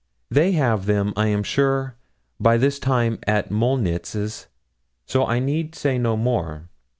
They have them, I am sure, by this time at Molnitz's, so I need say no more.